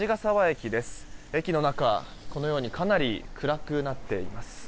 駅の中、このようにかなり暗くなっています。